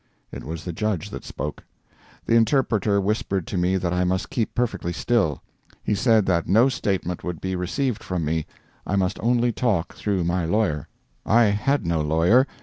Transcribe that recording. It was the judge that spoke. The interpreter whispered to me that I must keep perfectly still. He said that no statement would be received from me—I must only talk through my lawyer. I had no lawyer.